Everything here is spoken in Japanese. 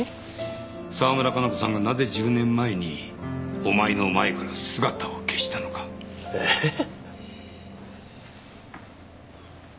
沢村加奈子さんがなぜ１０年前にお前の前から姿を消したのかえっ？